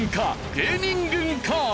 芸人軍か？